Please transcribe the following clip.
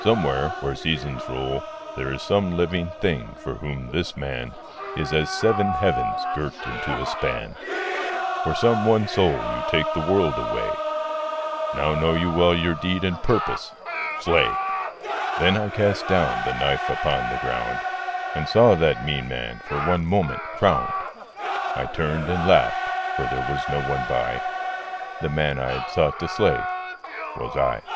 somewhere where seasons roll There is some living thing for whom this man Is as seven heavens girt into a span, For some one soul you take the world away Now know you well your deed and purpose. Slay!' Then I cast down the knife upon the ground And saw that mean man for one moment crowned. I turned and laughed: for there was no one by The man that I had sought to slay was I.